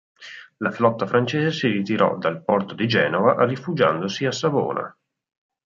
La flotta francese si ritirò dal porto di Genova rifugiandosi a Savona.